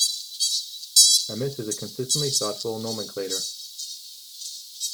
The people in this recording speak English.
Amis is a consistently thoughtful nomenclator.